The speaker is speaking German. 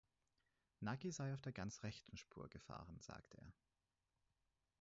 Naki sei auf der ganz rechten Spur gefahren, sagt er.